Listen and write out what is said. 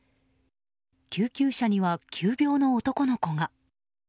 救急車には急病の男の子が。